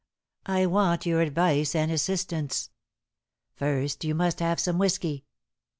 I want your advice and assistance. First you must have some whiskey."